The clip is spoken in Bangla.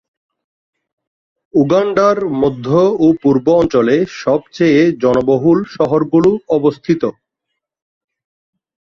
উগান্ডার মধ্য ও পূর্ব অঞ্চলে সবচেয়ে জনবহুল শহরগুলো অবস্থিত।